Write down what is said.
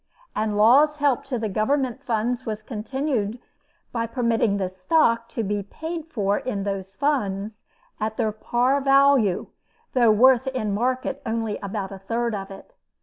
And Law's help to the Government funds was continued by permitting this stock to be paid for in those funds, at their par value, though worth in market only about a third of it.